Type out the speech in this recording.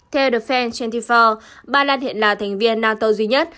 theo the fan hai mươi bốn bà lan hiện là thành viên nato duy nhất